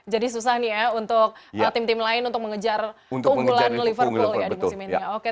jadi susah nih ya untuk tim tim lain untuk mengejar unggulan liverpool di musim ini